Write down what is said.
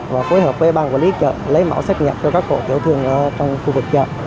và phối hợp với bàn quản lý chợ lấy mẫu xét nghiệm cho các cổ tiểu thường trong khu vực chợ